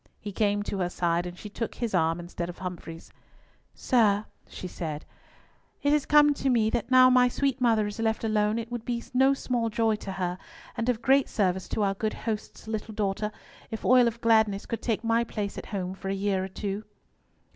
He came to her side, and she took his arm instead of Humfrey's. "Sir," she said; "it has come to me that now my sweet mother is left alone it would be no small joy to her, and of great service to our good host's little daughter, if Oil of Gladness could take my place at home for a year or two."